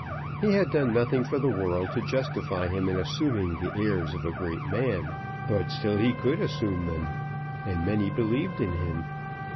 He had done nothing for the world to justify him in assuming the airs of a great man, but still he could assume them, and many believed in him.